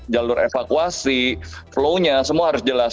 jalur evakuasi flow nya semua harus jelas